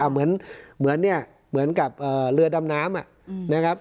เหมือนเนี่ยเหมือนกับเรือดำน้ำนะครับ